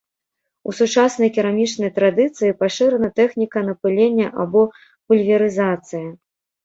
У сучаснай керамічнай традыцыі пашырана тэхніка напылення, або пульверызацыя.